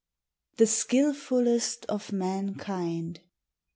THE skilfullest of mankind!